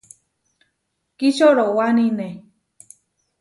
Kičorowánine.